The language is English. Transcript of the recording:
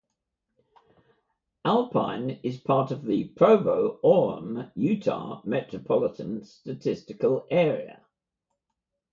Alpine is part of the Provo-Orem, Utah Metropolitan Statistical Area.